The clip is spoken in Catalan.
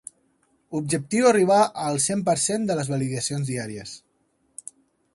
Objectiu arribar al cent per cent de les validacions diàries